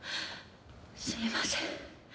すみません。